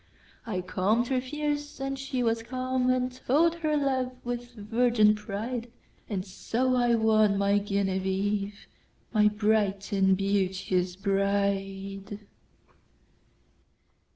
I calm'd her fears, and she was calm. And told her love with virgin pride; And so I won my Genevieve, My bright and beauteous Bride.